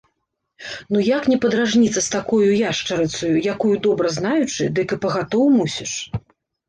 Ну як не падражніцца з такою яшчарыцаю, якую добра знаючы, дык і пагатоў мусіш.